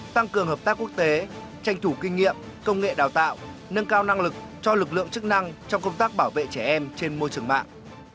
tăng cường hợp tác quốc tế tranh thủ kinh nghiệm công nghệ đào tạo nâng cao năng lực cho lực lượng chức năng trong công tác bảo vệ trẻ em trên môi trường mạng